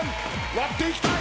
割っていきたい。